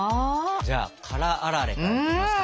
じゃあ辛あられからいきますか。